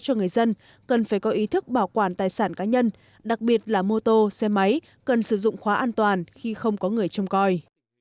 cho người dân cần phải có ý thức bảo quản tài sản cá nhân đặc biệt là mô tô xe máy cần sử dụng khóa an toàn khi không có người trông coi